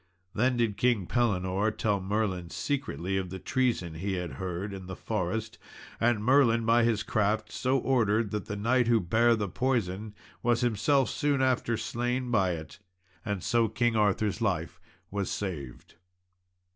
Then did King Pellinore tell Merlin secretly of the treason he had heard in the forest, and Merlin by his craft so ordered that the knight who bare the poison was himself soon after slain by it, and so King Arthur's life was saved.